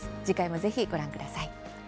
次回もぜひご覧ください。